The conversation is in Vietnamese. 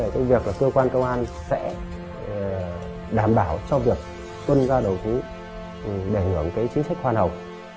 cơ quan công an sẽ đảm bảo cho việc tuân ra đầu thú để ủng hộ chính sách khoa học